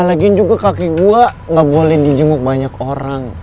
lagian juga kakek gua ga boleh di jenguk banyak orang